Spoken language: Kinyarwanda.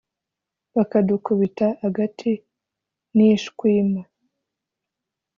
Bakadukubita agati n'ishwima